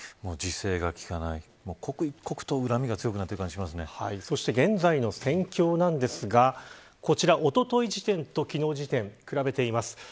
自制がきかない、刻一刻と恨みが強くなっていくそして現在の戦況なんですがこちら、おととい時点と昨日時点、比べてみます。